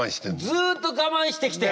ずっとガマンしてきて。